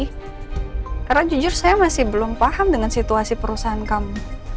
karena jujur saya masih belum paham dengan situasi perusahaan kamu